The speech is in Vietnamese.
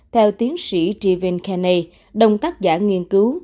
theo tiến sĩ stephen kenney đồng tác giả nghiên cứu